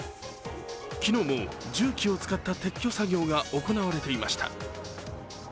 昨日も重機を使った撤去作業が行われていました。